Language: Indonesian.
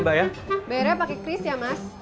bayarnya pake kris ya mas